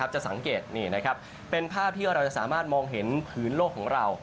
จะสังเกตเป็นภาพที่เราจะสามารถมองเห็นผืนโลกของเรา